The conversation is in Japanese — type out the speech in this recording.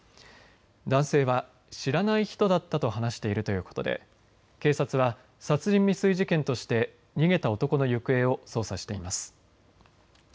男性は知らない人だったと話しているということで警察は殺人未遂事件として逃げた男の行方を捜査しています。